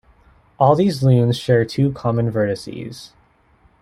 All these lunes share two common vertices.